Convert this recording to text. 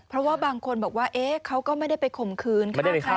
เพราะว่าบางคนบอกว่าเขาก็ไม่ได้ไปข่มขืนฆ่าเขา